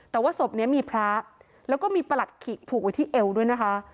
แต่ว่าศพนี้มีพระแล้วก็มีประหลัดขิกผูกไว้ที่เอวด้วยนะคะ